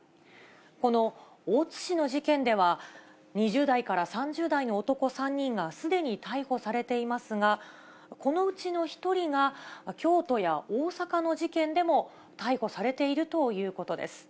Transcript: この大津市の事件では、２０代から３０代の男３人が、すでに逮捕されていますが、このうちの１人が、京都や大阪の事件でも逮捕されているということです。